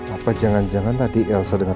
apa jangan jangan tadi elsa dengar